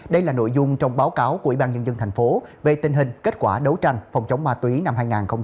đây là nội dung trong báo cáo của ủy ban nhân dân thành phố về tình hình kết quả đấu tranh phòng chống ma túy năm hai nghìn hai mươi ba